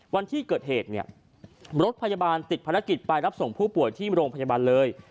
วันที่เกิดเหตุเนี่ยรถพยาบาลติดภารกิจไปรับส่งผู้ป่วยที่โรงพยาบาลเลย